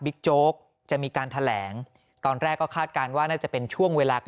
โจ๊กจะมีการแถลงตอนแรกก็คาดการณ์ว่าน่าจะเป็นช่วงเวลา